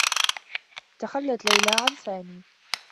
تخلّت ليلى عن سامي.